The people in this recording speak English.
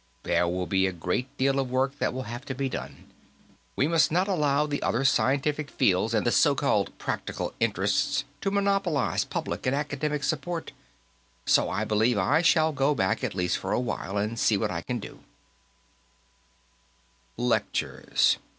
There will be a great deal of work that will have to be done. We must not allow the other scientific fields and the so called practical interests to monopolize public and academic support. So, I believe I shall go back at least for a while, and see what I can do " Lectures.